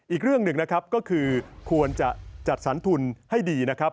อีกเรื่องหนึ่งนะครับก็คือควรจะจัดสรรทุนให้ดีนะครับ